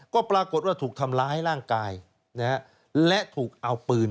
ก็ปรากฏว่าถูกทำร้ายร่างกายและถูกเอาปืน